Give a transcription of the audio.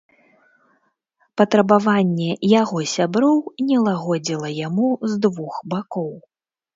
Патрабаванне яго сяброў не лагодзіла яму з двух бакоў.